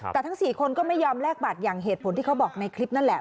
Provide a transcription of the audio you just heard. แต่ทั้ง๔คนก็ไม่ยอมแลกบัตรอย่างเหตุผลที่เขาบอกในคลิปนั่นแหละ